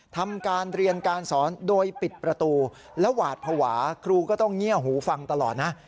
ทำการเรียนการสอนโดยปิดประตูและหวาดภาวะครูก็ต้องเงียบหูฟังตลอดนะ